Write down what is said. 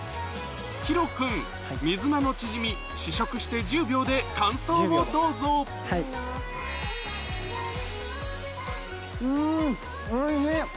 Ｈｉｒｏ君水菜のチヂミ試食して１０秒で感想をどうぞうんおいしい！